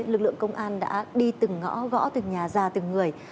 lực lượng công an đã đi từng ngõ gõ từ nhà ra từ người